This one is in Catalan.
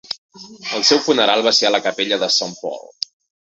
El seu funeral va ser a la capella de Saint Paul.